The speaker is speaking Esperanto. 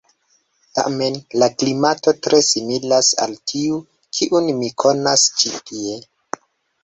Tamen la klimato tre similas al tiu, kiun mi konas ĉi tie.